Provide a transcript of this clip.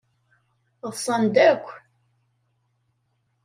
Ḍsan-d akk.